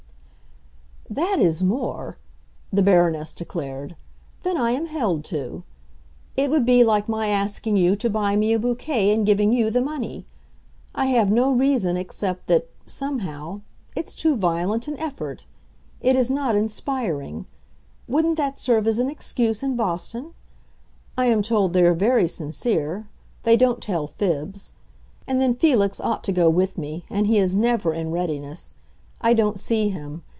"That is more," the Baroness declared, "than I am held to. It would be like my asking you to buy me a bouquet and giving you the money. I have no reason except that—somehow—it's too violent an effort. It is not inspiring. Wouldn't that serve as an excuse, in Boston? I am told they are very sincere; they don't tell fibs. And then Felix ought to go with me, and he is never in readiness. I don't see him.